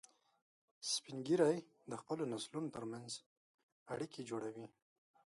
سپین ږیری د خپلو نسلونو تر منځ اړیکې جوړوي